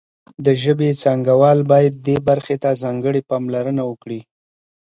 د ژبې څانګوال باید دې برخې ته ځانګړې پاملرنه وکړي